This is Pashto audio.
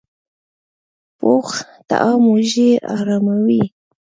پوخ طعام وږې اراموي